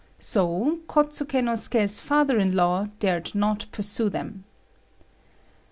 So Kôtsuké no Suké's father in law dared not pursue them.